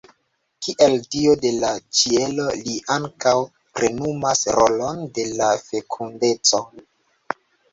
Kiel dio de la ĉielo li ankaŭ plenumas rolon de la fekundeco.